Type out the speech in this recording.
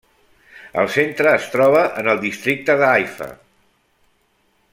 El centre es troba en el Districte de Haifa.